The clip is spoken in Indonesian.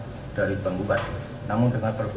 dan juga dari penggugat yang dihukum dalam rumah tangga